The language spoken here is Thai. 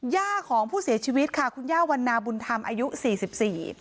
ย่าของผู้เสียชีวิตค่ะคุณย่าวันนาบุญธรรมอายุสี่สิบสี่